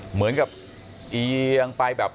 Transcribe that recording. เหมือนกับเอียงไปแบบ